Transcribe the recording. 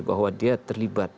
bahwa dia terlibat